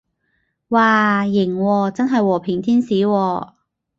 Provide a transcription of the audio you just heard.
嘩，型喎，真係和平天使喎